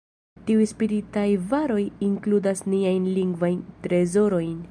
Tiuj spiritaj varoj inkludas niajn lingvajn trezorojn.